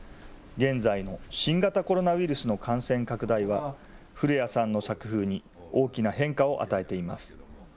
現在の新型コロナウイルスの感染拡大は、古屋さんの作風に大きな変化を与えています。